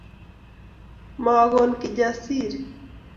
Makon Kijasiri